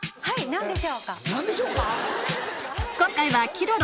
「何でしょうか？」。